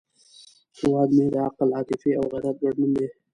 هیواد مې د عقل، عاطفې او غیرت ګډ نوم دی